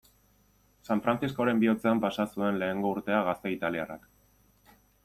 San Frantziskoren bihotzean pasa zuen lehengo urtea gazte italiarrak.